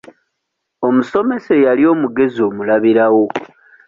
Omusomesa eyali omugezi omulabirawo.